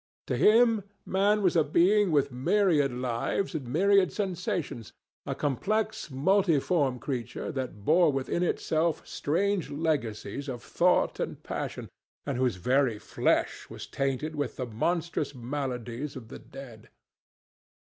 To him, man was a being with myriad lives and myriad sensations, a complex multiform creature that bore within itself strange legacies of thought and passion, and whose very flesh was tainted with the monstrous maladies of the dead.